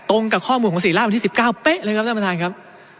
ตรงกับข้อมูลของสิริราชวันที่สิบเก้าเป๊ะเลยครับท่านประธานครับ